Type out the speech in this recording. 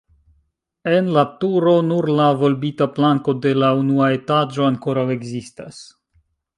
En la turo nur la volbita planko de la unua etaĝo ankoraŭ ekzistas.